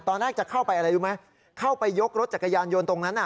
ตอนแรกจะเข้าไปอะไรรู้ไหมเข้าไปยกรถจักรยานยนต์ตรงนั้น